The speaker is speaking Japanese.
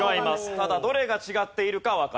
ただどれが違っているかわかりません。